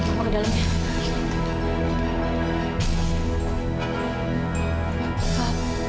mama ke dalam ya